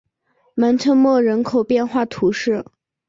蒙特莫人口变化图示